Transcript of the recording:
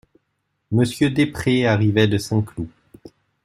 Monsieur Desprez arrivait de Saint-Cloud.